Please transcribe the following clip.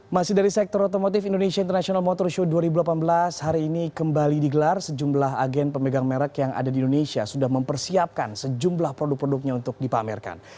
masih dari sektor otomotif indonesia international motor show dua ribu delapan belas hari ini kembali digelar sejumlah agen pemegang merek yang ada di indonesia sudah mempersiapkan sejumlah produk produknya untuk dipamerkan